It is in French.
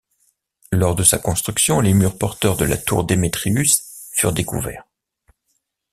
Lors de sa construction, les murs porteurs de la Tour Demetrius furent découverts.